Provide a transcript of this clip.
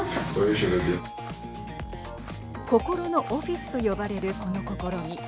心のオフィスと呼ばれるこの試み。